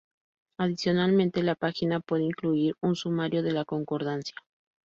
Adicionalmente la página puede incluir un sumario de la concordancia.